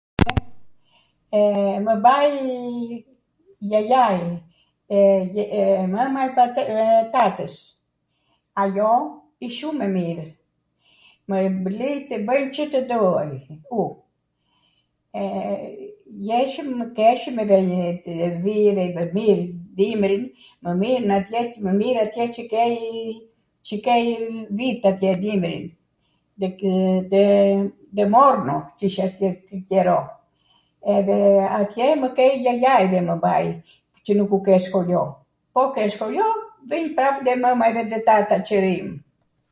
e, mw mbaj jajai, e, mwma e tatws, ajo ish shum e mirw, mw lij tw bwj Cw tw doj u, jeshwmw, keshwm edhe njw tw... dhi, dimrin, mw mir atje qw kej, qw kejm dhit atje, dimrin, de, nw Morno, q'ish atw qero, edhe atje mw kej jajai edhe mw mbaj, qw nuku kesh skoljo, po kesh skoljo, vinj prap te mwma edhe te tata qw rijm